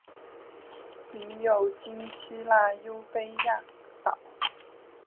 领有今希腊优卑亚岛。